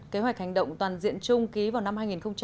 kế hoạch hành động toàn diện chung ký vào năm hai nghìn một mươi năm